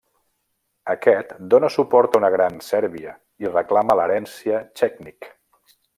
Aquest dóna suport una Gran Sèrbia i reclama l'herència txètnik.